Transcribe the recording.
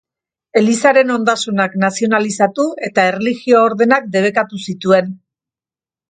Elizaren ondasunak nazionalizatu eta erlijio ordenak debekatu zituen.